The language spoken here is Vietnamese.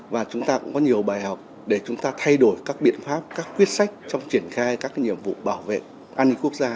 và chúng ta cũng có nhiều bài học để chúng ta thay đổi các biện pháp các quyết sách trong triển khai các nhiệm vụ bảo vệ an ninh quốc gia